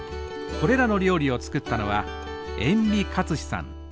これらの料理を作ったのは延味克士さん。